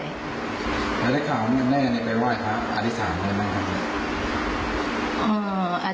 แล้วได้ข่าวว่าเงินแน่นที่ไปไหว้คะอธิษฐานได้ไหมครับ